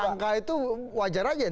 siap kuasa itu wajar aja